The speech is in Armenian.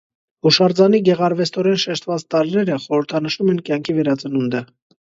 Հուշարձանի գեղարվեստորեն շեշտված տարրերը խորհրդանշում են կյանքի վերածնունդը։